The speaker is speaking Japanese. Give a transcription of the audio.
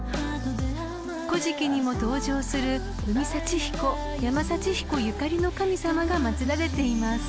［『古事記』にも登場する海幸彦山幸彦ゆかりの神様が祭られています］